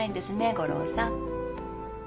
五郎さん。